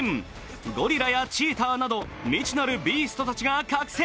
ゴリラやチーターなど未知なるビーストたちが覚醒。